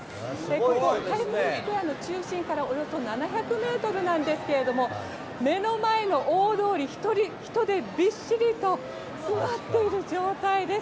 ここタイムズスクエアの中心からおよそ７００ｍなんですけども目の前の大通り、人でびっしりと集まっている状態です。